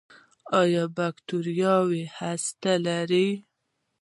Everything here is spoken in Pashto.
ایا بکتریاوې هسته لري؟